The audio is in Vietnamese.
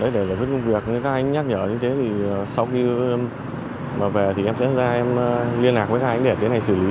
để giải quyết công việc các anh nhắc nhở như thế thì sau khi em về thì em sẽ ra em liên lạc với các anh để thế này xử lý